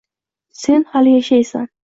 S-sen hali yashaysan